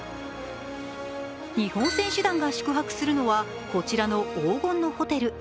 日本選手団が宿泊するのはこちらの黄金のホテル。